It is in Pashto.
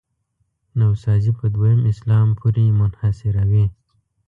نوسازي په دویم اسلام پورې منحصروي.